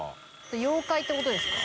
妖怪ってことですか？